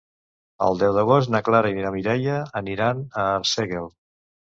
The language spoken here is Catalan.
El deu d'agost na Clara i na Mireia aniran a Arsèguel.